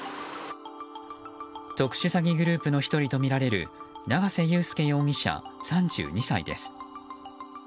特殊詐欺グループの１人とみられる長勢優介容疑者、３２歳です。